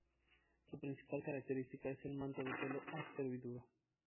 Su principal característica es el manto de pelo áspero y duro.